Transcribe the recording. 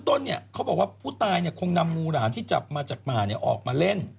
เพราะเค้าบอกว่าผู้ตายเนี่ยคงนํ๐๓๑๐นมูร้ามที่จับมาจากต่างแหล่นออกมาเล่น